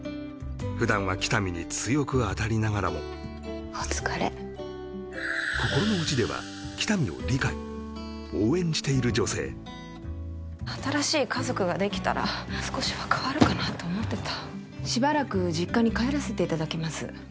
普段は喜多見に強く当たりながらもお疲れ心の内では喜多見を理解応援している女性新しい家族ができたら少しは変わるかなと思ってたしばらく実家に帰らせていただきます